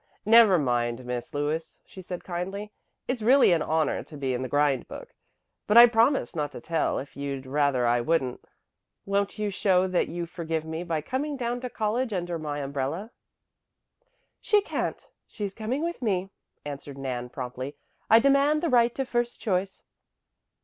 "Never mind, Miss Lewis," she said kindly. "It's really an honor to be in the grind book, but I promise not to tell if you'd rather I wouldn't. Won't you show that you forgive me by coming down to college under my umbrella?" "She can't. She's coming with me," answered Nan promptly. "I demand the right to first choice."